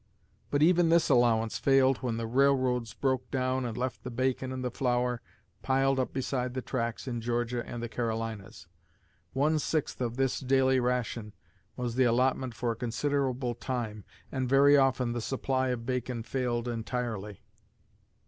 But even this allowance failed when the railroads broke down and left the bacon and the flour piled up beside the tracks in Georgia and the Carolinas. One sixth of this daily ration was the allotment for a considerable time, and very often the supply of bacon failed entirely....